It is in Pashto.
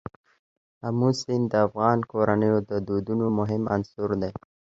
آمو سیند د افغان کورنیو د دودونو مهم عنصر دی.